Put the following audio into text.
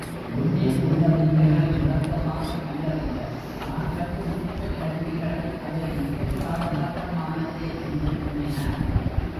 விண்ணில் உள்ள விந்தைகளை விளக்கமாகக் கண்டறிய தான் கண்டுபிடித்தக்கருவிகளை அவர் மிகச்சாதாரணமானதே என்று எண்ணினார்.